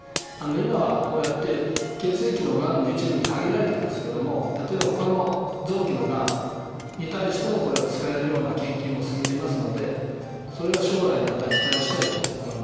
今はこうやって血液のがんの一部に限られていますけども例えばほかの臓器のがんに対してもこれを使えるような研究も進んでいますのでそれは将来にまた期待したいと思います。